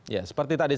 ya seperti tadi